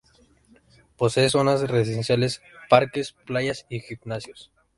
Posee zonas residenciales, parques, playas y gimnasios.